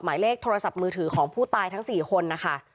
หมายเลขโทรศัพท์มือถือของผู้ตายทั้ง๔คนนะคะ